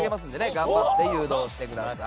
頑張って誘導してください。